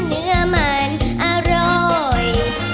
เนื้อมันอร่อย